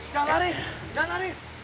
jangan lari jangan lari